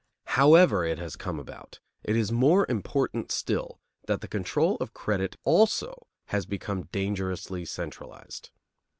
However it has come about, it is more important still that the control of credit also has become dangerously centralized.